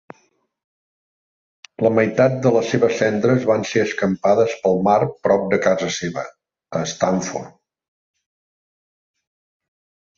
La meitat de les seves cendres van ser escampades pel mar prop de casa seva, a Stamford.